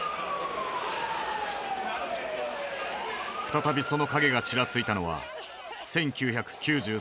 再びその影がちらついたのは１９９３年。